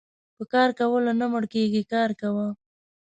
په کار کولو نه مړکيږي کار کوه .